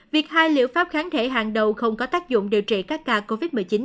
việc hai liệu pháp kháng thể hàng đầu không có tác dụng điều trị các ca covid một mươi chín